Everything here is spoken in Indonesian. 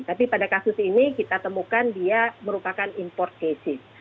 tapi pada kasus ini kita temukan dia merupakan import cases